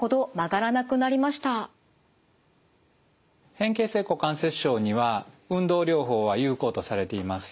変形性股関節症には運動療法は有効とされています。